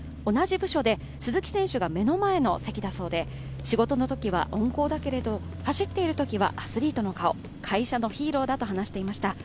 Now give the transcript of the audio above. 同じ部署で鈴木選手が目の前の席だそうで、仕事のときは温厚だけれども、走っているときはアスリートの顔、会社のヒーローだと話していました。